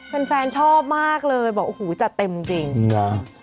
เพื่อนแฟนชอบมากเลยบอกโอ้โหจะเต็มจริง